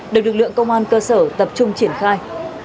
được lực lượng công an cơ sở tập trung triển khai